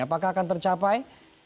apakah akan tercapai